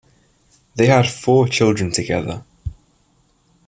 They had four children together.